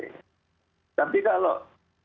tapi kalau daerah itu cangkupannya lumayan